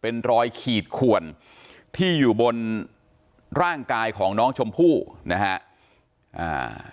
เป็นรอยขีดขวนที่อยู่บนร่างกายของน้องชมพู่นะฮะอ่า